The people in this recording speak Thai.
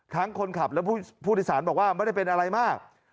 คนขับและผู้โดยสารบอกว่าไม่ได้เป็นอะไรมาก